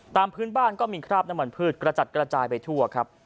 ตามพื้นบ้านก็มีคราบน้ำมันพืชกระจัดกระจายไปทั่วครับ